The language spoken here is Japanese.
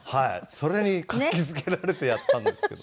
それに活気づけられてやったんですけど。